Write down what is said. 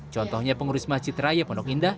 contohnya pengurus masjid raya pondok indah